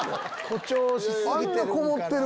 あんなこもってる？